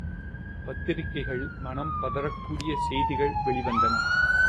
பத்திரிகைகளில் மனம் பதறக்கூடிய பல செய்திகள் வெளிவந்தன.